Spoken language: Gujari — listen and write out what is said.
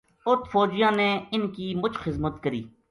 اُت فوجیاں نے اِنھ کی مُچ خذمت کری